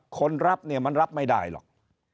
คนรับเนี่ยมันรับไม่ได้หรอก